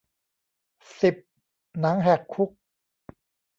สิบ หนังแหกคุก